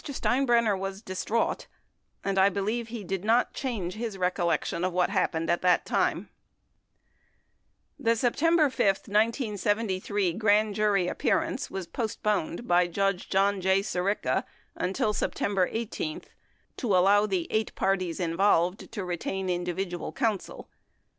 Steinbrenner was distraught, and I be lieve he did not change his recollection of what happened at that time. 30 The September 5, 1973, grand jury appearance was postponed by Judge John J. Sirica until September 18, to allow the eight parties involved to retain individual counsel.